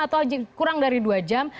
atau kurang dari dua jam